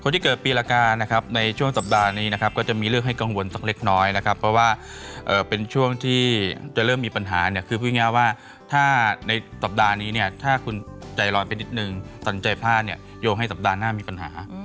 ที่เกิดปีละกานะครับในช่วงสัปดาห์นี้นะครับก็จะมีเรื่องให้กังวลสักเล็กน้อยนะครับเพราะว่าเป็นช่วงที่จะเริ่มมีปัญหาเนี่ยคือพูดง่ายว่าถ้าในสัปดาห์นี้เนี่ยถ้าคุณใจร้อนไปนิดนึงสนใจพลาดเนี่ยโยงให้สัปดาห์หน้ามีปัญหา